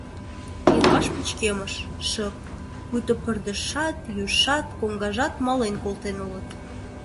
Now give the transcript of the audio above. Йырваш пычкемыш, шып, пуйто пырдыжшат, южшат, коҥгажат мален колтен улыт.